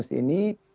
masih terus berjalan